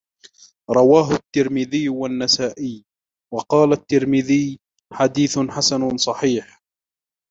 رواهُ التِّرمذيُّ والنَّسائِيُّ، وقالَ التِّرمذيُّ: حديثٌ حسَنٌ صحيحٌ